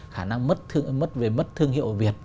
khả năng mất thương hiệu việt